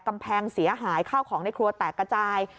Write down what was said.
กำแพงเสียหายข้าวของในครัวแตกกระจาย